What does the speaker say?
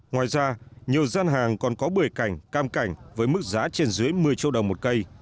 ngoài ra nhiều gian hàng còn có bưởi cảnh cam cảnh với mức giá trên dưới một mươi triệu